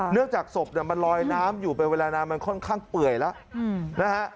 เนื่องจากศพเนี่ยมันลอยน้ำอยู่ไปเวลานานมันค่อนข้างเปื่อยแล้ว